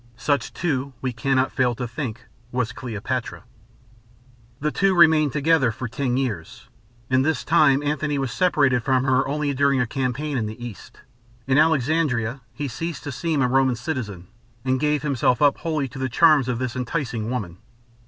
Such, too, we cannot fail to think, was Cleopatra. The two remained together for ten years. In this time Antony was separated from her only during a campaign in the East. In Alexandria he ceased to seem a Roman citizen and gave himself up wholly to the charms of this enticing woman.